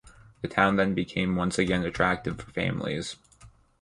The town then became once again attractive for families.